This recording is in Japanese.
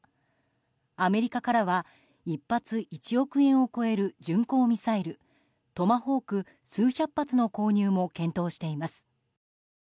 アメリカからは１発１億円を超える巡航ミサイルトマホーク数百発の購入も検討しています。